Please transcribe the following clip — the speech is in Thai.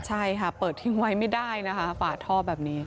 ใช่ค่ะเปิดทิ้งไว้ไม่ได้นะคะฝาท่อแบบนี้